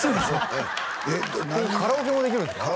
ここカラオケもできるんすか？